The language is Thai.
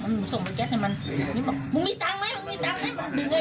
หนูส่งมาแก๊สให้มันฉันบอกมึงมีตังค์ไหมมึงมีตังค์ไหม